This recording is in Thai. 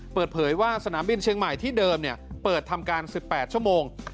เปิดเผยว่าสนามบินเชียงใหม่ที่เดิมเปิดทำการ๑๘ชั่วโมง